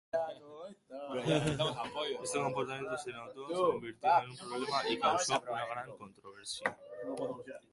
Este comportamiento se notó, se convirtió en un problema y causó una gran controversia.